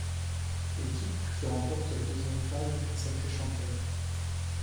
L'équipe qui remporte la deuxième phase est sacrée championne.